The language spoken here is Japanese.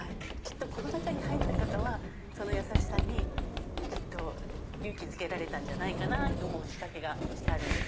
中に入った方はその優しさにきっと勇気づけられたと思う仕掛けがしてあるんです。